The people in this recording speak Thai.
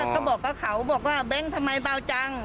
ก็บอกกับเขาบอกว่าแบงค์ทำไมเบาจัง